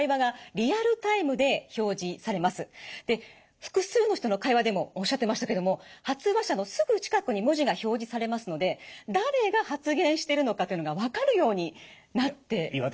で複数の人の会話でもおっしゃってましたけども発話者のすぐ近くに文字が表示されますので誰が発言してるのかというのが分かるようになっているんです。